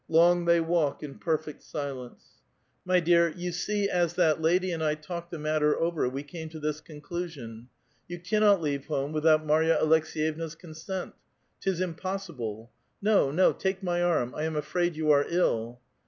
Long they walk in perfect siliMico. " My dear, you see as that lady and I talked the matter over, we came to this conclusion : you cannot leave home without Marya Aleks^yevna's consent. 'Tis impossible — no, IK), take my arm ; 1 am afraid you are ill